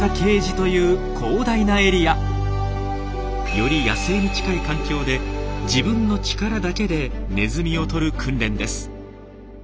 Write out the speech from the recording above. より野生に近い環境で自分の力だけでネズミを捕る訓練です。